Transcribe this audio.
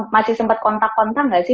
masih sempat kontak kontak gak sih